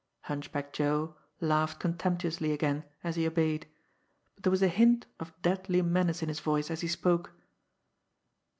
Hunchback Joe laughed contemptuously again, as he obeyed; but there was a hint of deadly menace in his voice as he spoke.